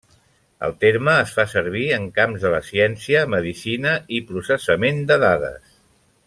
El terme es fa servir en camps de la ciència, medicina i processament de dades.